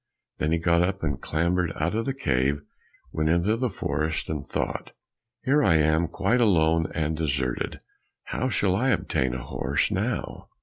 Then he got up and clambered out of the cave, went into the forest, and thought, "Here I am quite alone and deserted, how shall I obtain a horse now?"